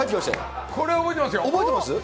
これは覚えてますよ。